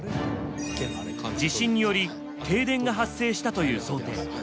地震により停電が発生したという想定。